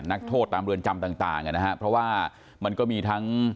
นักโทษตามเรือนจำต่างนะฮะเพราะว่ามันก็มีทั้ง